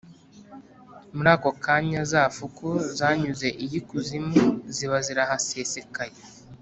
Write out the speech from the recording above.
Muri ako kanya, za fuku zanyuze iy'ikuzimu ziba zirahasesekaye,